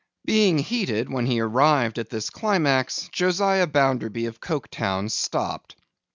Being heated when he arrived at this climax, Josiah Bounderby of Coketown stopped.